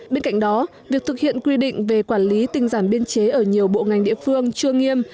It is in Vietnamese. bên cạnh đó việc thực hiện quy định về quản lý tinh giản biên chế ở nhiều bộ ngành địa phương chưa nghiêm